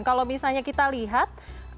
kalau misalnya kita lihat